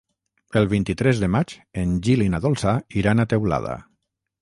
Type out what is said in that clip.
El vint-i-tres de maig en Gil i na Dolça iran a Teulada.